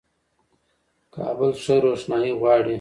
کابل ښه روښنايي غواړي.